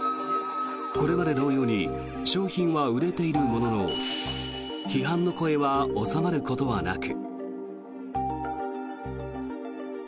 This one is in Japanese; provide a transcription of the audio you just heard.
これまで同様に商品は売れているものの批判の声は収まることはなく。